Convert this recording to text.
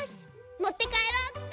もってかえろうっと。